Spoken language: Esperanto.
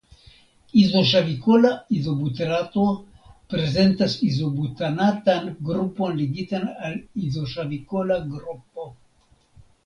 Izoŝavikola izobuterato prezentas izobutanatan grupon ligitan al izoŝavikola grupo.